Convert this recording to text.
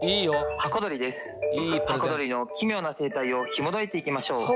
箱鳥の奇妙な生態をひもといていきましょう。